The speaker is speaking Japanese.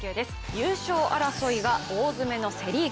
優勝争いが大詰めのセ・リーグ。